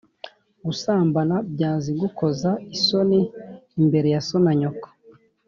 gusambana, byazigukoza isoni imbere ya so na nyoko,